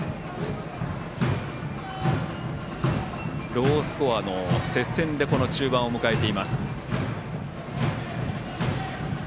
ロースコアの接戦で中盤を迎えています。